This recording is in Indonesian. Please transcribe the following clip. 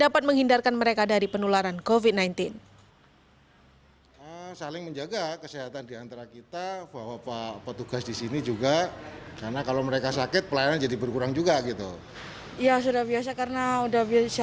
peduli lindungi ini dapat menghindarkan mereka dari penularan covid sembilan belas